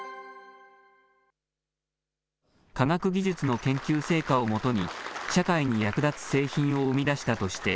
科学技術の研究成果をもとに、社会に役立つ製品を生み出したとして、